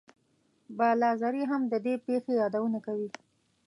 بلاذري هم د دې پېښې یادونه کوي.